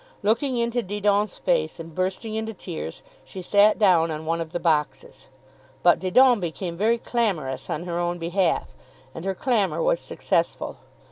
Looking into Didon's face and bursting into tears, she sat down on one of the boxes. But Didon became very clamorous on her own behalf, and her clamour was successful.